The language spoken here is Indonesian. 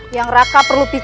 yang raka perlu diperlukan